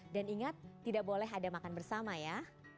dan ingat tidak boleh ada makan bersama ya